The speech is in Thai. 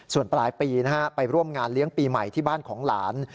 ส่วนปลายปีนะฮะไปร่วมงานเลี้ยงปีใหม่ที่บ้านของหลาน